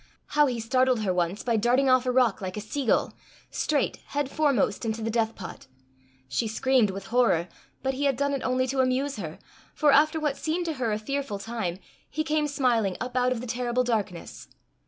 How he startled her once by darting off a rock like a seagull, straight, head foremost, into the Death pot! She screamed with horror, but he had done it only to amuse her; for, after what seemed to her a fearful time, he came smiling up out of the terrible darkness.